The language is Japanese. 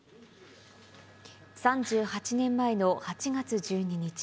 ３８年前の８月１２日。